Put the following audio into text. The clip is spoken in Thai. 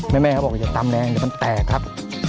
แม่เขาบอกว่าอย่าตำแดงเดี๋ยวมันแตกครับ